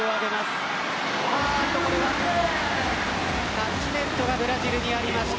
タッチネットがブラジルにありました。